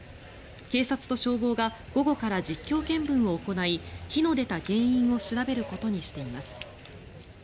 警察と消防が午後から実況見分を行い火の出た原因を調べることにしています。